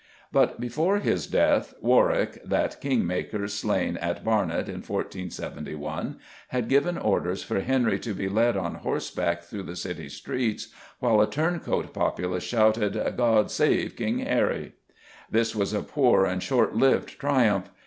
But before his death, Warwick that king maker slain at Barnet in 1471 had given orders for Henry to be led on horseback through the city streets "while a turncoat populace shouted 'God save King Harry!'" This was a poor and short lived triumph.